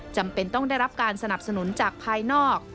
จำเป็นต้องได้รับการสนับสนุนจากภายนอก